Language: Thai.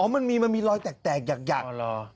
อ๋อมันมีมันมีรอยแตกหยัด